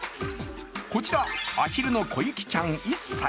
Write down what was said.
こちら、アピールのこゆきちゃん１歳。